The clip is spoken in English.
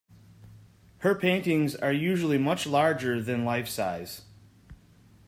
Her paintings are usually much larger than life size.